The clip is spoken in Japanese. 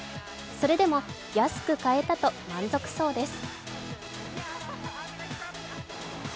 それでも安く買えたと満足そうです。